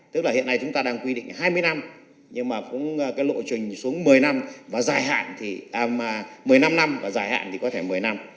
tức là hiện nay chúng ta đang quy định hai mươi năm nhưng mà lộ trình xuống một mươi năm năm và dài hạn thì có thể một mươi năm